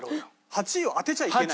８位を当てちゃいけないの？